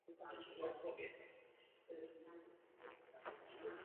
Následovalo několik vesměs úspěšných oper.